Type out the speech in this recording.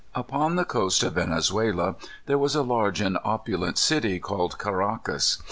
Upon the coast of Venezuela there was a large and opulent city, called Caraccas.